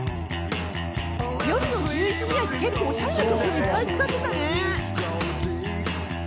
「夜の１１時台結構おしゃれな曲いっぱい使ってた」